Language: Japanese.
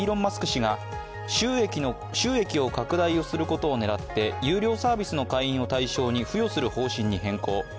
氏が収益を拡大することを狙って有料サービスの会員を対象に付与する方針に変更。